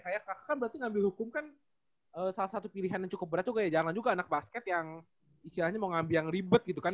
kayak kakak kan berarti ngambil hukum kan salah satu pilihan yang cukup berat tuh kayak jangan juga anak basket yang istilahnya mau ngambil yang ribet gitu kan